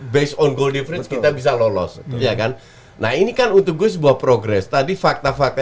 based on gold difference kita bisa lolos ya kan nah ini kan untuk gue sebuah progress tadi fakta fakta